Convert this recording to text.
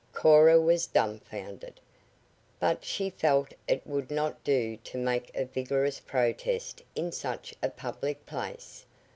Cora was dumfounded. But she felt it would not do to make a vigorous protest in such a public place.